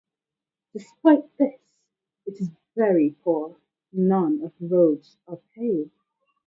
Despite this, it is very poor; none of the roads are paved.